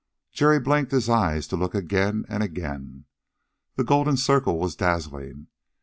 Jerry blinked his eyes to look again and again; the golden circle was dazzling.